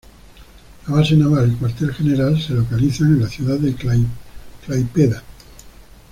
La base naval y cuartel general se localizan en la ciudad de Klaipėda.